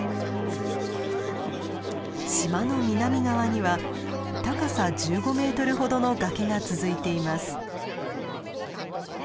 島の南側には高さ１５メートルほどの崖が続いています。